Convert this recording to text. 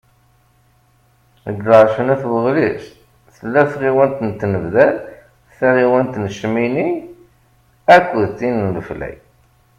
Deg lεerc n At Waɣlis, tella tɣiwant n Tinebdar, taɣiwant n Cmini, akked tin n Leflay.